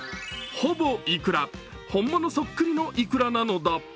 ほぼいくら、本物そっくりのいくらなのだ。